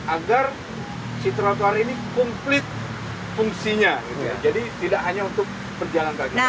agar si trotoar ini komplit fungsinya jadi tidak hanya untuk pejalan kaki